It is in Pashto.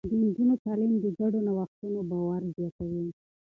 د نجونو تعليم د ګډو نوښتونو باور زياتوي.